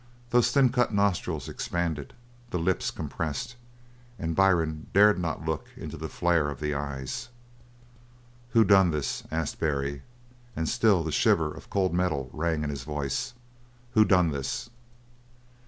Those thin cut nostrils expanded, the lips compressed, and Byrne dared not look into the flare of the eyes. "Who done this?" asked Barry, and still the shiver of cold metal rang in his voice. "Who's done this?"